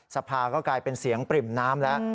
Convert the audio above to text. สภาก็กลายเป็นเสียงปริ่มน้ำแล้ว